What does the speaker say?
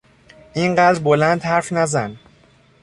اینقدر بلند حرف نزن!